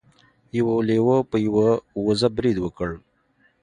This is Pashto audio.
یو لیوه په یوه وزه برید وکړ.